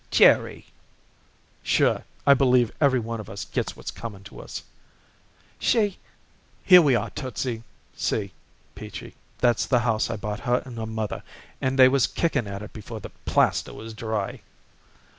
"Jerry!" "Sure, I believe every one of us gets what's coming to us." "She " "Here we are, Tootsie. See, Peachy, that's the house I bought her and her mother, and they was kicking at it before the plaster was dry."